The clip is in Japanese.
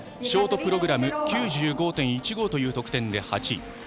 ショートプログラム９５．１５という得点で８位。